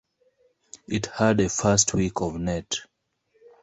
It had a first week of nett.